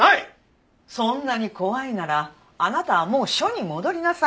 そんなに怖いならあなたはもう署に戻りなさい。